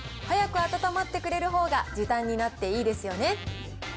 早くあたたまってくれるほうが時短になっていいですよね。